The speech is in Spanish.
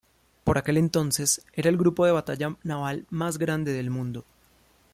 Por aquel entonces era el grupo de batalla naval más grande del mundo.